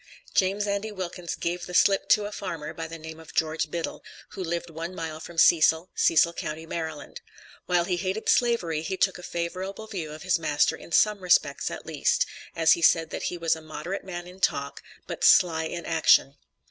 James Andy Wilkins "gave the slip" to a farmer, by the name of George Biddle, who lived one mile from Cecil, Cecil county, Maryland. While he hated Slavery, he took a favorable view of his master in some respects at least, as he said that he was a "moderate man in talk;" but "sly in action."